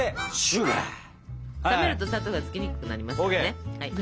冷めると砂糖がつきにくくなりますからね。